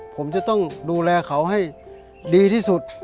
ผมจะต้องดูแลเขาให้ดีที่สุด